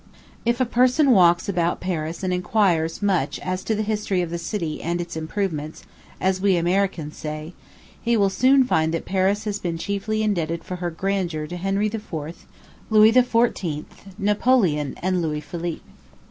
If a person walks about Paris and inquires much as to the history of the city and its improvements, as we Americans say, he will soon find that Paris has been chiefly indebted for her grandeur to Henry IV., Louis XIV., Napoleon, and Louis Philippe.